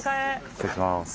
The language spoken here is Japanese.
失礼します。